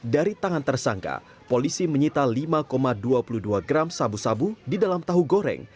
dari tangan tersangka polisi menyita lima dua puluh dua gram sabu sabu di dalam tahu goreng